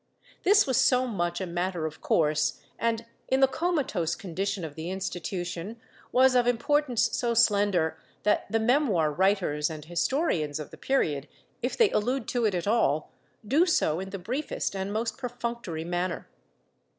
This \\ as so much a matter of course and, in the comatose condition of the institution, was of importance so slender, that the memoir writers and historians of the period, if they allude to it at all, do so in the briefest and most perfunctory manner.